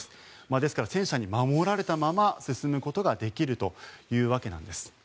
ですから戦車に守られたまま進むことができるというわけなんです。